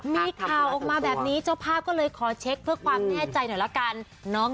มีข่าวออกมาแบบนี้เจ้าภาพก็เลยขอเช็คเพื่อความแน่ใจหน่อยละกัน